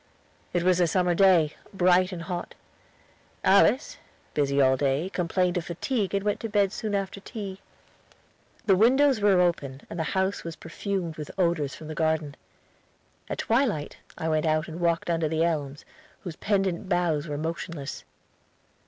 It was a summer day, bright and hot. Alice, busy all day, complained of fatigue and went to bed soon after tea. The windows were open and the house was perfumed with odors from the garden. At twilight I went out and walked under the elms, whose pendant boughs were motionless.